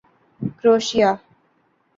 کروشیا